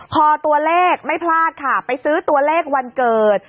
พอตัวเลขไม่พลาดค่ะไปซื้อตัวเลขวันเกิด